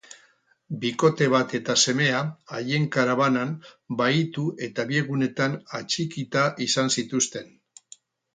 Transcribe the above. Bikote bat eta semea haien karabanan bahitu eta bi egunetan atxikita izan zituzten.